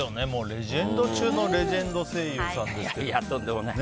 レジェンド中のレジェンド声優さんですけど。